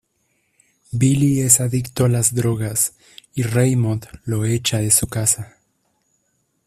Billy es adicto a las drogas y Raymond lo echa de su casa.